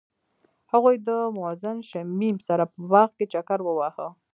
هغوی د موزون شمیم سره په باغ کې چکر وواهه.